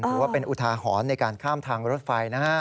หรือว่าเป็นอุทาหอนในการข้ามทางรถไฟนะครับ